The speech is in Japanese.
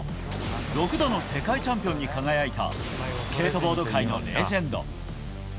６度の世界チャンピオンに輝いたスケートボード界のレジェンド。